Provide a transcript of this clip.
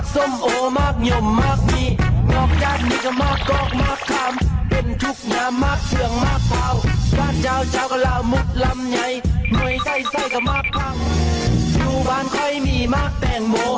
สวัสดีค่ะ